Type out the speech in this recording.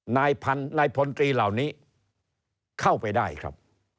นายพลตรีเหล่านี้เข้าไปได้ครับ